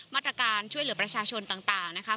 มาตรการช่วยเหลือประชาชนต่างนะคะ